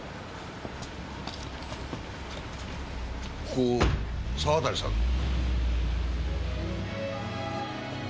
ここ沢渡さんの？